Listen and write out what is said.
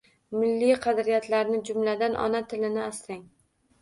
Milliy qadriyatlarni, jumladan, ona tilini asrang.